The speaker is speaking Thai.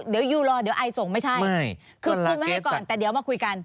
เดี๋ยวยูรอเดี๋ยวไอส่งไม่ใช่คือคุมให้ก่อนแต่เดี๋ยวมาคุยกัน